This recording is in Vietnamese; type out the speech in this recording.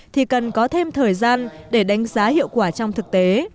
thì cần có thêm thời gian để đánh giá hiệu quả trong thực tế